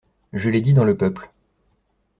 Je l'ai dit dans le Peuple.